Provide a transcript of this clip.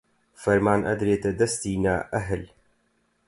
فەرمان ئەدرێتە دەستی نائەهل